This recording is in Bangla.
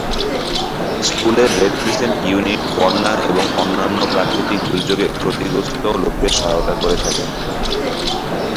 স্কুলের রেড ক্রিসেন্ট ইউনিট বন্যা এবং অন্যান্য প্রাকৃতিক দুর্যোগে ক্ষতিগ্রস্ত লোকদের সহায়তা করে থাকে।